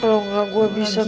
kalau nggak gue bisa ketemu